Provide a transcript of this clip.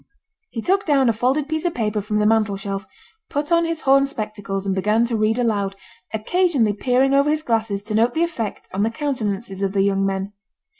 He took down a folded piece of paper from the mantel shelf, put on his horn spectacles, and began to read aloud, occasionally peering over his glasses to note the effect on the countenances of the young men.